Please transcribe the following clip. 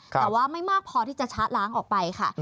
แต่ว่าไม่มากพอที่จะชะล้างออกไปค่ะ